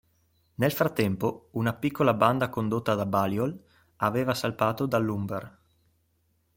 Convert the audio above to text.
Nel frattempo, una piccola banda condotta da Balliol aveva salpato dall' Humber.